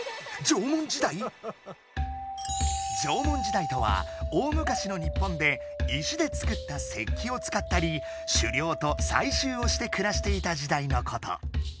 ⁉縄文時代とは大昔の日本で石で作った「石器」を使ったり「しゅりょうとさいしゅう」をしてくらしていた時代のこと。